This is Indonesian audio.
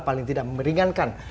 paling tidak meringankan